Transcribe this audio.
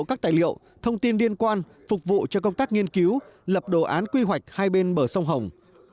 các tài liệu thông tin liên quan phục vụ cho công tác nghiên cứu lập đồ án quy hoạch hai bên bờ sông hồng